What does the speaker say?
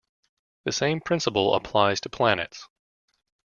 The same principle applies to planets.